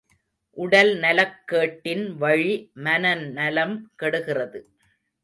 உடல்நலக் கேட்டின் வழி மனநலம் கெடுகிறது.